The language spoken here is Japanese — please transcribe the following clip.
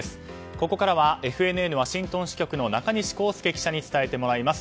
ここからはＦＮＮワシントン支局の中西孝介記者に伝えてもらいます。